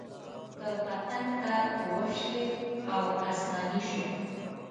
د پتنګ تار وشلېد او اسماني شو.